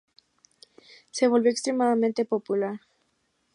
Se volvió extremadamente popular.